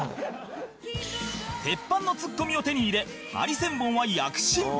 鉄板のツッコミを手に入れハリセンボンは躍進